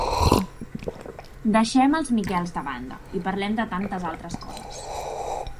Deixem els Miquels de banda, i parlem de tantes altres coses.